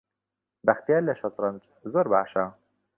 بەختیار لە شەترەنج زۆر باشە.